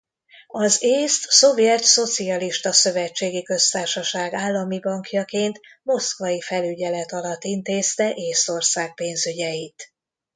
Az Észt Szovjet Szocialista Szövetségi Köztársaság állami bankjaként moszkvai felügyelet alatt intézte Észtország pénzügyeit.